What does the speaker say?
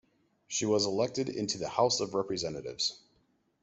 She was elected into the House of Representatives.